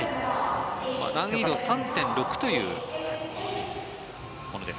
難易度３．６というものです。